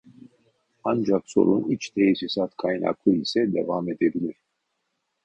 Ancak sorun iç tesisat kaynaklı ise devam edebilir